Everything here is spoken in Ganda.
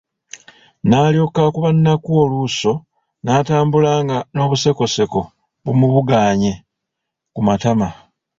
N’alyoka akuba Nakku oluuso n’atambula nga n’obusekoseko bumubugaanye ku matama.